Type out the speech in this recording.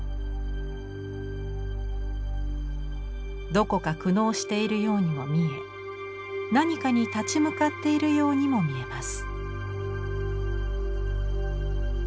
どこか苦悩しているようにも見え何かに立ち向かっているようにも見えます。